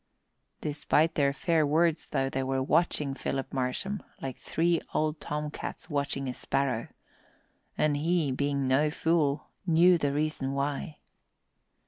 Despite their fair words, though, they were watching Philip Marsham like three old tomcats watching a sparrow, and he, being no fool, knew the reason why.